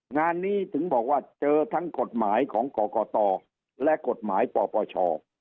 งานนี้ถึงบอกว่าเจอทั้งกฎหมายของกรกตและกฎหมายปปช